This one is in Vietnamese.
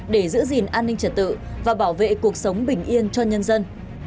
để giữ gìn an ninh trật tự và bảo vệ cuộc sống bình yên cho nhân dân